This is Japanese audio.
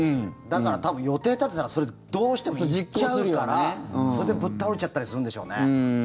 だから多分、予定立てたらどうしても行っちゃうからそれで、ぶっ倒れちゃったりするんでしょうね。